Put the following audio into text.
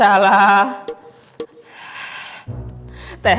ya allah di sini